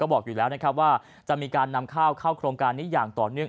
บอกอยู่แล้วนะครับว่าจะมีการนำข้าวเข้าโครงการนี้อย่างต่อเนื่อง